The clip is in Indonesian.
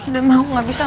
udah mama aku gak bisa